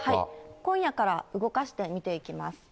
今夜から動かしてみていきます。